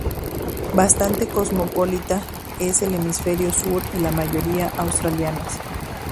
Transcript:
Bastante cosmopolita, en el Hemisferio Sur, y la mayoría australianas.